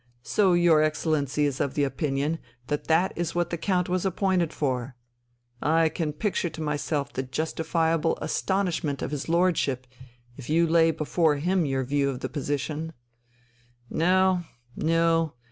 "So your Excellency is of the opinion that that is what the Count was appointed for! I can picture to myself the justifiable astonishment of his lordship, if you lay before him your view of the position. No, no